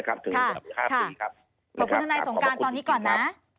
ขอบคุณธนายสงการตอนนี้ก่อนนะ